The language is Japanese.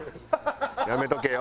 やめとけよ。